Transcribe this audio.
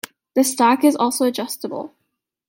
The stock is also adjustable.